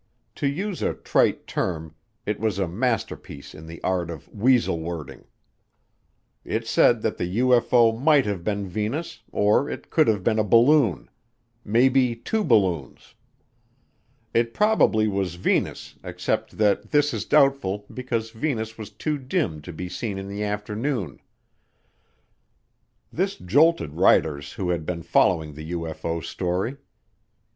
To use a trite term, it was a masterpiece in the art of "weasel wording." It said that the UFO might have been Venus or it could have been a balloon. Maybe two balloons. It probably was Venus except that this is doubtful because Venus was too dim to be seen in the afternoon. This jolted writers who had been following the UFO story.